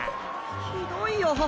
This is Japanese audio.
ひどいよ。